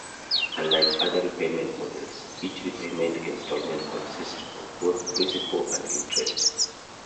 Unlike other repayment models, each repayment installment consists of both principal and interest.